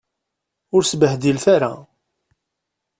Ur sbehdilet ara.